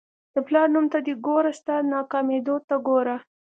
د پلار نوم ته دې ګوره ستا ناکامېدو ته ګوره.